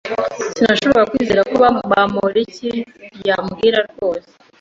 Sinashoboraga kwizera ko Bamoriki yambwira rwose.